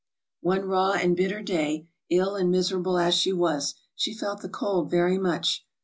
One raw and bitter day, ill and miserable as she was, she felt the cold very much.